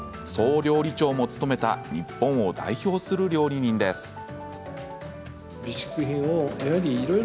総料理長も務めた日本を代表する料理人です。